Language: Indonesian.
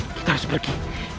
kita harus pergi